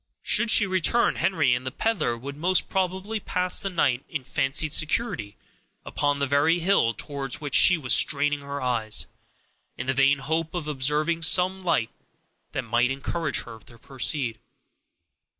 Should she return, Henry and the peddler would most probably pass the night in fancied security upon that very hill towards which she was straining her eyes, in the vain hope of observing some light that might encourage her to proceed.